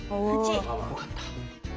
よかった。